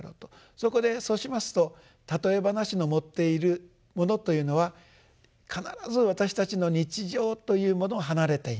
そこでそうしますと譬え話の持っているものというのは必ず私たちの日常というものを離れていない。